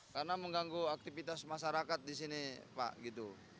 karena mengganggu aktivitas masyarakat di sini pak gitu